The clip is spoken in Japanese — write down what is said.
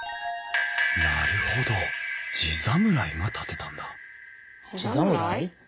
なるほど地侍が建てたんだじざむらい？